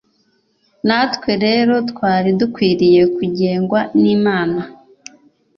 Natwe rero twari dukwiriye kugengwa n'Imana